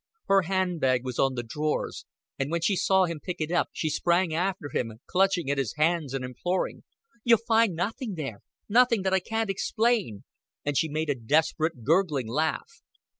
Her handbag was on the drawers; and when she saw him pick it up she sprang after him, clutching at his hands and imploring. "You'll find nothing there. Nothing that I can't explain;" and she made a desperate gurgling laugh.